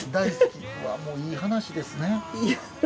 わぁもういい話ですね。